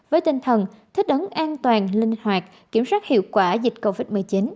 với tinh thần thích ứng an toàn linh hoạt kiểm soát hiệu quả dịch covid một mươi chín